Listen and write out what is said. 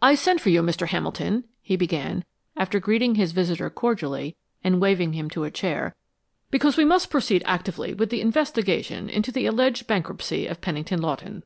"I sent for you, Mr. Hamilton," he began, after greeting his visitor cordially and waving him to a chair, "because we must proceed actively with the investigation into the alleged bankruptcy of Pennington Lawton.